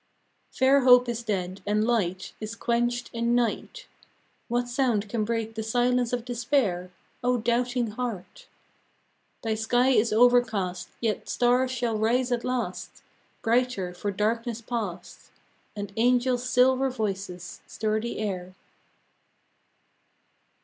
IV. Fair hope is dead, and light Is quenched in night, What sound can break the silence of despair ? O doubting heart! Thy sky is overcast, Yet stars shall rise at last, Brighter for darkness past, And angels' silver voices stir the air.